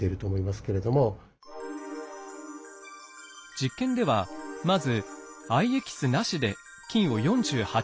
実験ではまず藍エキスなしで菌を４８時間培養。